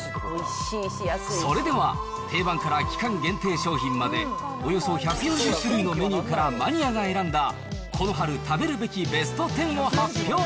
それでは、定番から期間限定商品までおよそ１４０種類のメニューからマニアが選んだ、この春食べるべきベスト１０を発表。